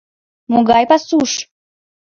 — Могай пасуш?